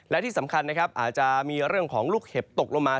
และที่สำคัญนะครับอาจจะมีเรื่องของลูกเห็บตกลงมา